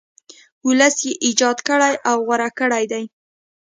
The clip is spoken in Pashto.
ولس یې ایجاد کړی او غوره کړی دی.